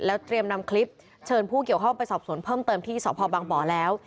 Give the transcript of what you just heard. เตรียมนำคลิปเชิญผู้เกี่ยวข้องไปสอบสวนเพิ่มเติมที่สพบังบ่อแล้ว